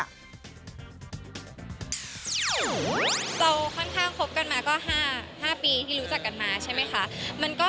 เราค่อนข้างคบกันมาก็๕ปีที่รู้จักกันมาใช่ไหมคะ